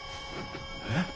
えっ？